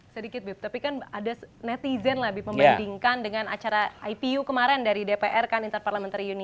sedikit bib tapi kan ada netizen lah bib membandingkan dengan acara itu kemarin dari dpr kan interparlamentary union dua ribu dua puluh dua di bali